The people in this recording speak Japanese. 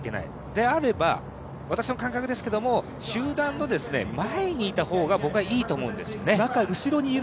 であれば、私の感覚ですけど集団の前にいた方が僕はいいと思うんですよね。